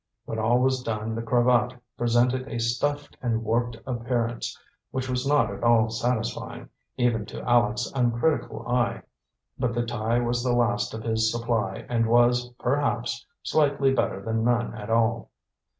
When all was done the cravat presented a stuffed and warped appearance which was not at all satisfying, even to Aleck's uncritical eye; but the tie was the last of his supply and was, perhaps, slightly better than none at all.